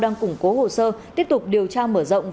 đang củng cố hồ sơ tiếp tục điều tra mở rộng